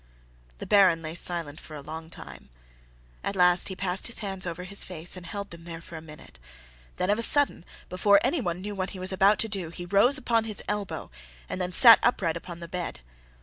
The Baron lay silent for a long time. At last he passed his hands over his face and held them there for a minute, then of a sudden, before anyone knew what he was about to do, he rose upon his elbow and then sat upright upon the bed.